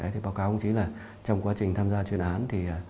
thì báo cáo ông chí là trong quá trình tham gia chuyên án thì